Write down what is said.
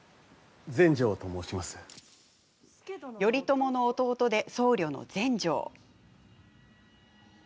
頼朝の弟で、僧侶の全成。